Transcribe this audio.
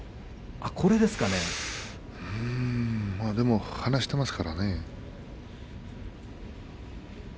でも離していますからね。